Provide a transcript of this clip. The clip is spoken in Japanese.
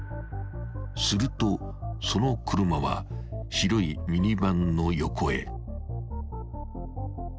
［するとその車は白いミニバンの横へ］